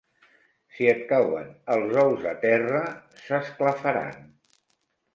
Si et cauen els ous a terra s'esclafaran.